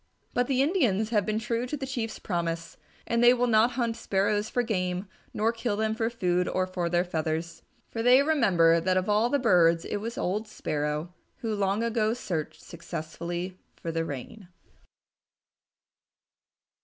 But the Indians have been true to the Chief's promise, and they will not hunt Sparrows for game nor kill them for food or for their feathers. For they remember that of all the birds it was old Sparrow who long ago searched successfully for the Rain.